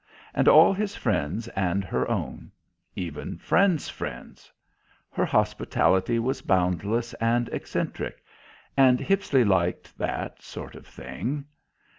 And all his friends and her own; even friends' friends. Her hospitality was boundless and eccentric, and Hippisley liked that sort of thing.